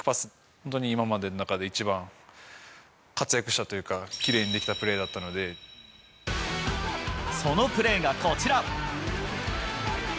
本当に今までの中で一番活躍したというか、きれいにできたプレーそのプレーがこちら。